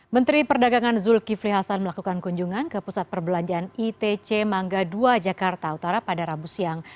menteri perdagangan zulkifli hasan melakukan kunjungan ke pusat perbelanjaan itc mangga dua jakarta utara pada rabu siang